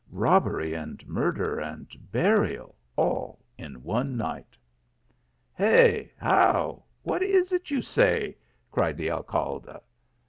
Robbery, and murder, and burial, all in one night !" "Hey? how! What is it you say?" cried the Alcalde.